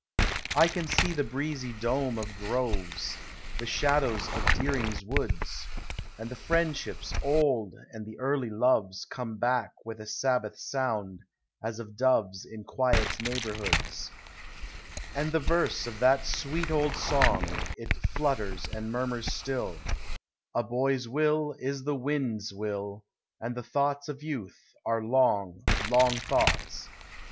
I can see the breezy dome of groves, The shadows of Deering's Woods ; And the friendships old and the early loves Come back with a Sabbath sound, as of doves In quiet neighborhoods. And the verse of that sweet old song, It flutters and murmurs still: A boy's will is the wind's will, Digitized by Google 202 POEMS OF HOME And the thoughts of youth are long, long thoughts."